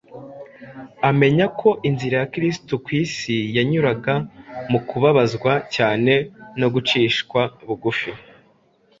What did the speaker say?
amenya ko inzira ya kristo ku isi yanyuraga mu kubabazwa cyane no gucishwa bugufi.